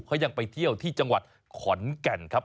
เขายังไปเที่ยวที่จังหวัดขอนแก่นครับ